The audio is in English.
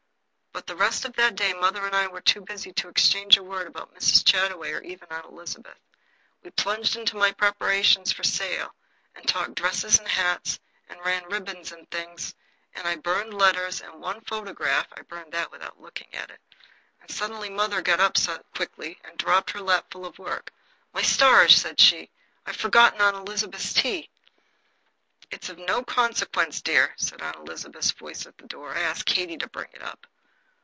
But the rest of that day mother and I were too busy to exchange a word about Mrs. Chataway or even Aunt Elizabeth. We plunged into my preparations to sail, and talked dresses and hats, and ran ribbons in things, and I burned letters and one photograph (I burned that without looking at it), and suddenly mother got up quickly and dropped her lapful of work. "My stars!" said she, "I've forgotten Aunt Elizabeth's tea." "It's of no consequence, dear," said Aunt Elizabeth's voice at the door. "I asked Katie to bring it up."